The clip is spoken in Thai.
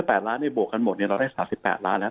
ถ้า๘ล้านบาทบวกกันหมดเราได้๓๘ล้านบาทแล้ว